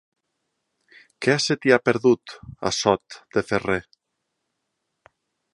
Què se t'hi ha perdut, a Sot de Ferrer?